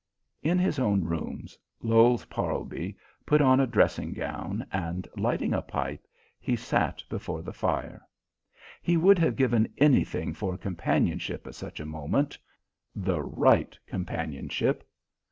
In his own rooms, Lowes Parlby put on a dressing gown, and, lighting a pipe, he sat before the fire. He would have given anything for companionship at such a moment the right companionship.